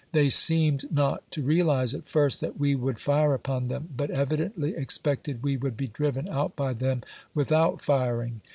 They seemed not to realize, at first, that we would fire upon them, but ev idently expected we would be driven out by them without firing.